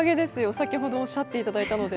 先ほどおっしゃっていただいたので。